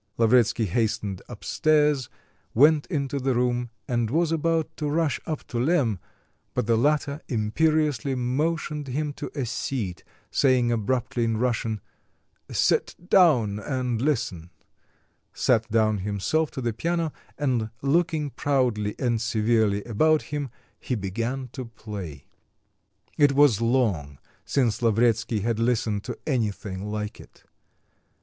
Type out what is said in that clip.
Lavretsky hastened up stairs, went into the room and was about to rush up to Lemm; but the latter imperiously motioned him to a seat, saying abruptly in Russian, "Sit down and listen," sat down himself to the piano, and looking proudly and severely about him, he began to play. It was long since Lavretsky had listened to anything like it.